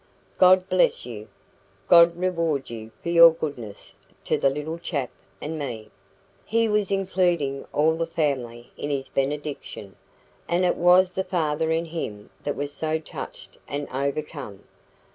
"God bless you! God reward you for your goodness to the little chap and me." He was including all the family in his benediction, and it was the father in him that was so touched and overcome.